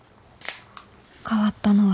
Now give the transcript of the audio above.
変わったのは